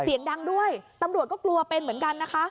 เสียงดังด้วยตำรวจก็กลัวเป็นเหมือนกันนะคะ